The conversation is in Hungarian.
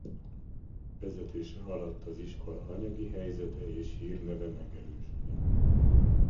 Vezetése alatt az iskola anyagi helyzete és hírneve megerősödött.